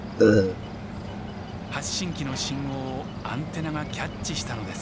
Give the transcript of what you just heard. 発信器の信号をアンテナがキャッチしたのです。